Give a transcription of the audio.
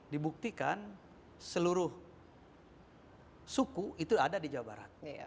dibuktikan seluruh suku itu ada di jawa barat